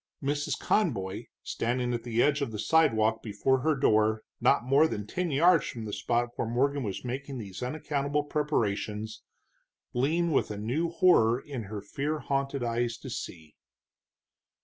Mrs. Conboy, standing at the edge of the sidewalk before her door, not more than ten yards from the spot where Morgan was making these unaccountable preparations, leaned with a new horror in her fear haunted eyes to see.